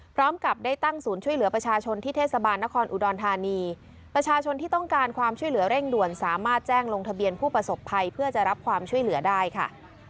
พร้อมกับได้ตั้งศูนย์ช่วยเหลือประชาชนที่เทศบาลนครอุดรธานีประชาชนที่ต้องการความช่วยเหลือเร่งด่วนสามารถแจ้งลงทะเบียนผู้ประสบภัยเพื่อจะรับความช่วยเหลือได้ค่ะ